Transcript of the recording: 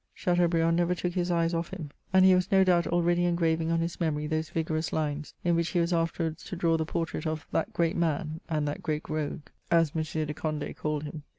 Chsdteau briand never took his eyes off him, and he was no doubt already engraving on his memory those vigorous lines in which he was afterwards to draw the portrait of " that great man, and that great rogue," as M. de Cond^ called him.